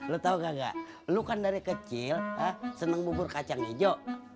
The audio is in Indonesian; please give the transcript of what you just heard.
lu tahu kagak lu kan dari kecil seneng bubur kacang ijo